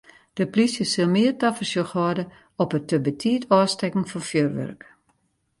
De polysje sil mear tafersjoch hâlde op it te betiid ôfstekken fan fjurwurk.